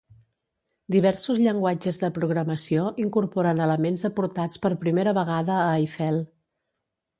Diversos llenguatges de programació incorporen elements aportats per primera vegada a Eiffel.